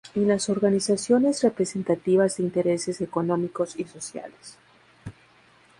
Y las organizaciones representativas de intereses económicos y sociales.